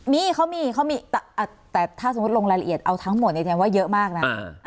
มีเขามีเขามีแต่ถ้าสมมุติลงรายละเอียดเอาทั้งหมดเนี่ยแสดงว่าเยอะมากนะ